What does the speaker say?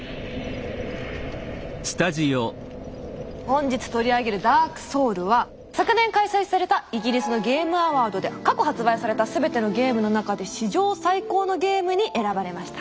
本日取り上げる「ＤＡＲＫＳＯＵＬＳ」は昨年開催されたイギリスのゲームアワードで過去発売された全てのゲームの中で史上最高のゲームに選ばれました。